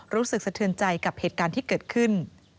รู้สึกสะเทือนใจกับเหตุการณ์ที่เกิดขึ้น